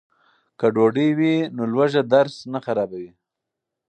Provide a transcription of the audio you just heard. که ډوډۍ وي نو لوږه درس نه خرابوي.